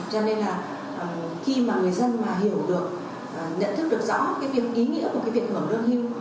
cho nên là khi mà người dân mà hiểu được nhận thức được rõ cái việc ý nghĩa của cái việc hưởng lương hưu